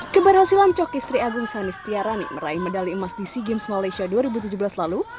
keberhasilan coki sri agung sanis tiarani meraih medali emas di sea games malaysia dua ribu tujuh belas lalu